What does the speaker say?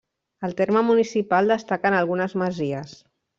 Al terme municipal destaquen algunes masies.